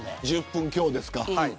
１０分強ですか。